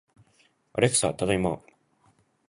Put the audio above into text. アレクサ、ただいま